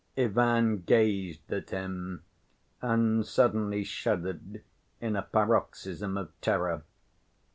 Ivan gazed at him, and suddenly shuddered in a paroxysm of terror.